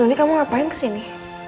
berarti kamu ngapain kesini